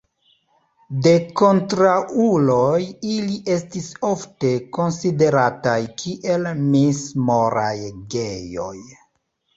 De kontraŭuloj ili estis ofte konsiderataj kiel mis-moraj gejoj.